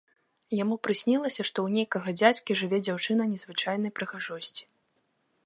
Яму прыснілася, што ў нейкага дзядзькі жыве дзяўчына незвычайнай прыгажосці.